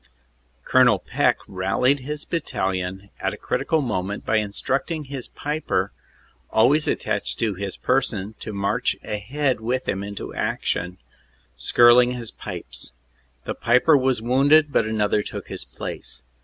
Col. Peck rallied his battalion at a critical moment by in structing his piper always attached to his person to march ahead with him into action, skirling his pipes. The piper was wounded but another took his place.